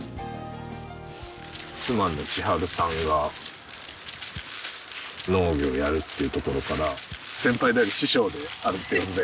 妻の千春さんが農業をやるっていうところから先輩であり師匠であるっていう事でよろしいですか？